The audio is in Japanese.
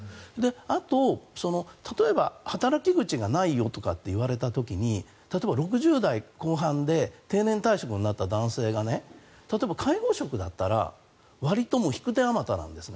あと例えば働き口がないよとかって言われた時に例えば６０代後半で定年退職になった男性が例えば介護職だったらわりと引く手あまたなんです。